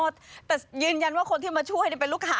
แต่ยืนยันว่าคนที่มาช่วยเป็นลูกค้า